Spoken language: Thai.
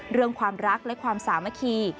เรื่องความรักและความสามัคคี